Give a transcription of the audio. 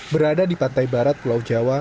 berada di pantai barat pulau jawa